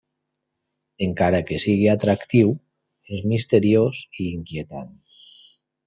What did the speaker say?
Encara que sigui atractiu, és misteriós i inquietant.